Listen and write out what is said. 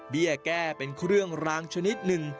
แก้เป็นเครื่องรางชนิดหนึ่ง